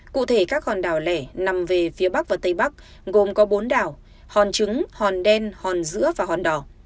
cụ thể các hòn đảo lẻ nằm về phía bắc và tây bắc gồm có bốn đảo hòn trứng hòn đen hòn dữa và hòn đỏ